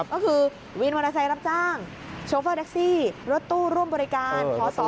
ก็คือวินวันไทยรับจ้างโชเฟอร์แด็กซี่รถตู้ร่วมบริการ